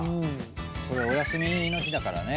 これお休みの日だからね。